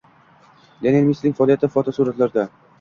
Lionel Messining faoliyati fotosuratlarda